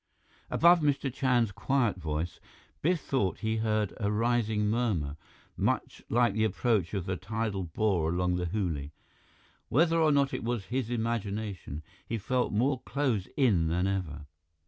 Above Mr. Chand's quiet voice, Biff thought he heard a rising murmur, much like the approach of the tidal bore along the Hooghly. Whether or not it was his imagination, he felt more closed in than ever.